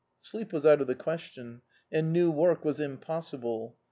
Sleep was out of the question, and new work was impossible.